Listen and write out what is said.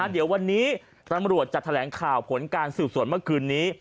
เดี๋ยววันนี้ตำรวจจะแถลงข่าวผลการสืบสวนเมื่อคืนนี้